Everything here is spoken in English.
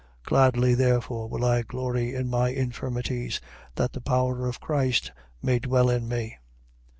Gladly therefore will I glory in my infirmities, that the power of Christ may dwell in me.